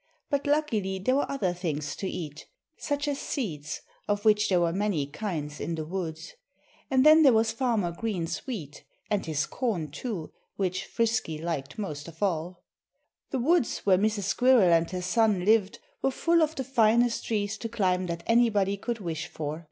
But luckily there were other things to eat such as seeds, of which there were many kinds in the woods. And then there was Farmer Green's wheat and his corn, too, which Frisky liked most of all. The woods where Mrs. Squirrel and her son lived were full of the finest trees to climb that anybody could wish for.